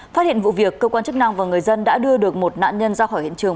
phát hiện vụ việc cơ quan chức năng và người dân đã đưa được một nạn nhân ra khỏi hiện trường